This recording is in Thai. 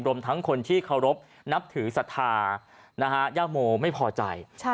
รวมทั้งคนที่เคารพนับถือศรัทธาย่าโมไม่พอใจ